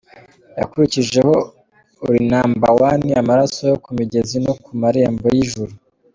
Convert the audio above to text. Yakurikijeho Uri number one, Amaraso, Ku migezi no Ku marembo y'ijuru.